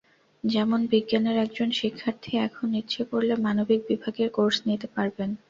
যেমন বিজ্ঞানের একজন শিক্ষার্থী এখন ইচ্ছে করলে মানবিক বিভাগের কোর্স নিতে পারবেন।